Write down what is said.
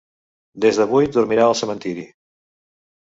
Des d'avui dormirà al cementiri.